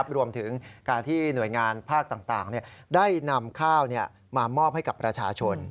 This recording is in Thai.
รวมถึงการที่หน่วยงานภาคต่างได้นำข้าวมามอบให้กับประชาชน